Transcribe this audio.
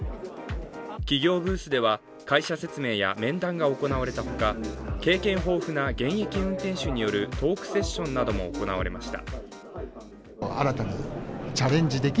企業ブースでは会社説明や面談が行われたほか経験豊富な現役運転手によるトークセッションなども行われました。